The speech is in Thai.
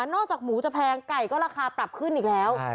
อกจากหมูจะแพงไก่ก็ราคาปรับขึ้นอีกแล้ว